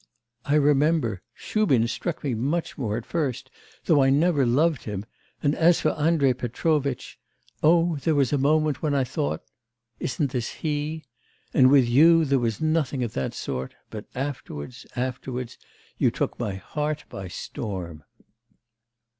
I remember, Shubin struck me much more at first, though I never loved him, and as for Andrei Petrovitch oh, there was a moment when I thought: isn't this he? And with you there was nothing of that sort; but afterwards afterwards you took my heart by storm!